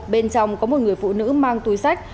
bên trong có một người phụ nữ mang túi sách